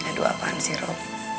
aduh apaan sih rob